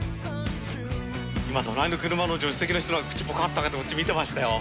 今、隣の車の助手席の人が、口ぽかっと開けて、こっち見てましたよ。